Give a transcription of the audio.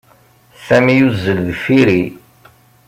Sami yuzzel deffir-i.